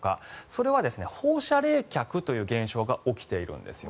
それは放射冷却という現象が起きているんです。